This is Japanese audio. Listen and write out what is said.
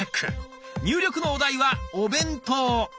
入力のお題は「お弁当」。